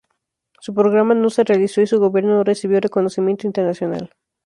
Su programa no se realizó y su gobierno no recibió reconocimiento internacional.